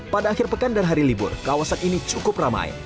pada akhir pekan dan hari libur kawasan ini cukup ramai